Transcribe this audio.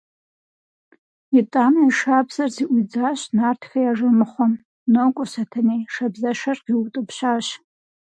Итӏанэ и шабзэр зэӏуидзащ нартхэ я жэмыхъуэм: – Нокӏуэ, Сэтэней! – шабзэшэр къиутӏыпщащ.